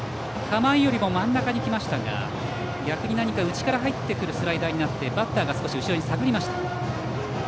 構えよりも真ん中に来ましたが逆に、内から入ってくるスライダーになってバッターが少し後ろに下がりました。